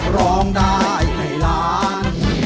ร้องได้ให้ล้าน